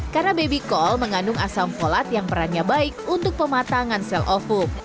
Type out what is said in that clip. karena baby call mengandung asam folat yang perannya baik untuk pematangan sel ovum